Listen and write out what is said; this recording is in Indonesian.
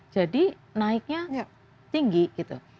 jadi naiknya tinggi gitu